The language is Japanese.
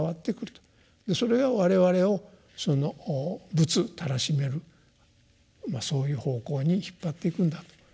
それが我々をその仏たらしめるそういう方向に引っ張っていくんだと。